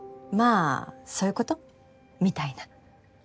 あそういうこと？みたいな。